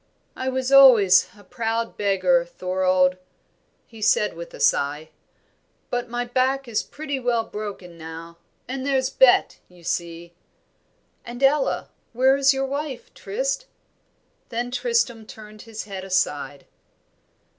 "I was always a proud beggar, Thorold," he said, with a sigh, "but my back is pretty well broken now, and there's Bet, you see." "And Ella where is your wife, Trist?" Then Tristram turned his head aside.